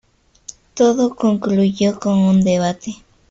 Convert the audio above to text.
Todo concluyó con un debate.